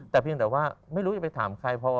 แต่เพียงแต่ว่าไม่รู้จะไปถามใคร